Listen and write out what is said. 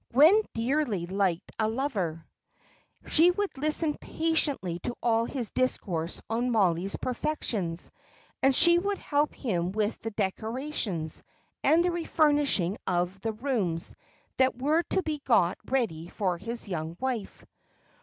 Gwen dearly liked a lover; she would listen patiently to all his discourse on Mollie's perfections, and she would help him with the decorations, and the refurnishing of the rooms that were to be got ready for his young wife.